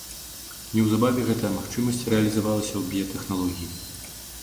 Неўзабаве гэтая магчымасць рэалізавалася ў біятэхналогіі.